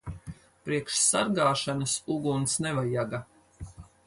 Priekš sargāšanas uguns nevajaga.